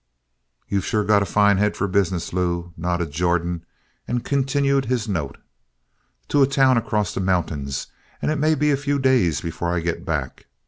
"You sure got a fine head for business, Lew," nodded Jordan, and continued his note: "to a town across the mountains and it may be a few days before I get back.